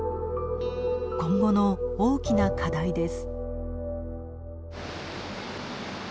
今後の大きな課題です。